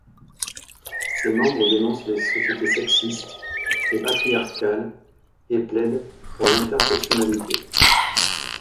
Ses membres dénoncent les sociétés sexistes et patriarcales, et plaident pour l'intersectionnalité.